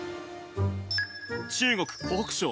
中国・湖北省。